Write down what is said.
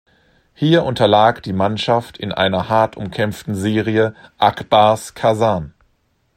Hier unterlag die Mannschaft in einer hart umkämpften Serie Ak Bars Kasan.